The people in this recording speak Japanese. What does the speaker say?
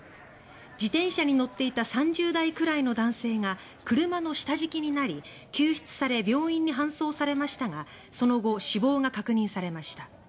自転車に乗っていた３０代くらいの男性が車の下敷きになり救出され病院に搬送されましたがその後死亡が確認されました。